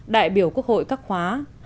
đại biểu quốc hội các khóa hai bốn